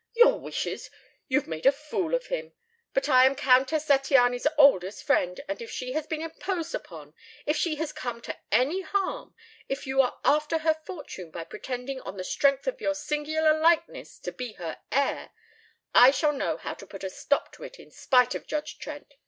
"Your wishes! You've made a fool of him. But I am Countess Zattiany's oldest friend, and if she has been imposed upon, if she has come to any harm, if you are after her fortune by pretending on the strength of your singular likeness to be her heir, I shall know how to put a stop to it in spite of Judge Trent.